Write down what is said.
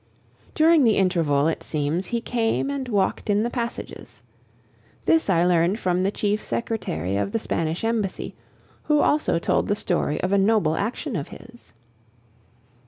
During the interval, it seems, he came and walked in the passages. This I learned from the chief secretary of the Spanish embassy, who also told the story of a noble action of his.